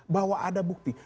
bahwa ada bukti